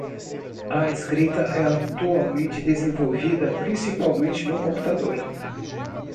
A escrita é atualmente desenvolvida principalmente no computador.